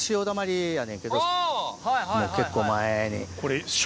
もう結構前に。